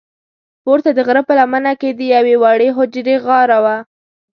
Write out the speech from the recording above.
پورته د غره په لمنه کې د یوې وړې حجرې غار و.